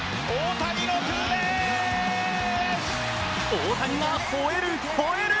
大谷がほえる、ほえる！